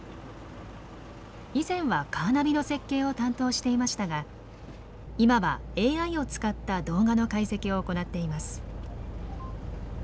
以前はカーナビの設計を担当していましたが今はＡＩを使った動画の解析を行っています。